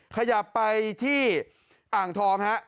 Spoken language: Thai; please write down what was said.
ขยับไปที่อ่างทองฮะ